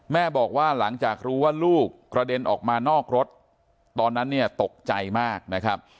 แม่บอกว่าหลังจากรู้ว่าลูกกระเด็นออกมานอกรถตอนนั้นเนี่ยตกใจมากนะครับ